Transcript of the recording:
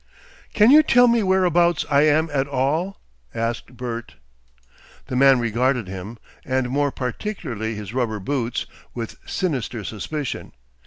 "Can you tell me whereabouts I am at all?" asked Bert. The man regarded him, and more particularly his rubber boots, with sinister suspicion.